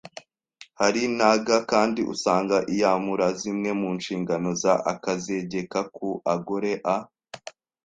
Hari n’aga kandi usanga iyamura zimwe mu nshingano za akazegeka ku agore a